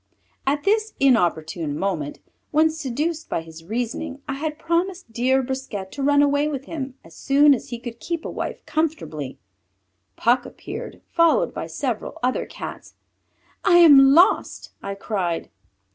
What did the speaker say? At this inopportune moment, when seduced by his reasoning, I had promised dear Brisquet to run away with him as soon as he could keep a wife comfortably, Puck appeared, followed by several other Cats. "I am lost!" I cried.